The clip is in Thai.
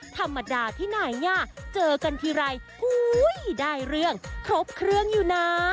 ธรรมดาที่ไหนอ่ะเจอกันทีไรอได้เรื่องครบเครื่องอยู่นะ